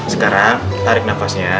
sekarang tarik nafasnya